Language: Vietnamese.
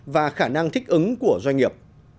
và khả năng thích ứng của doanh nghiệp